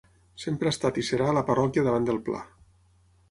Sempre ha estat i serà la Parròquia davant del Pla.